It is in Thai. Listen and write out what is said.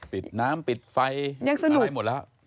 ปิดน้ำปิดไฟหายหมดแล้ว